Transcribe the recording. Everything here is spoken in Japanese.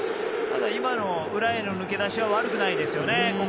ただ、今の裏への抜け出しは悪くないですよね。